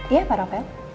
iya pak rafael